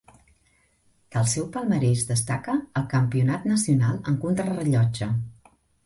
Del seu palmarès destaca el campionat nacional en contrarellotge.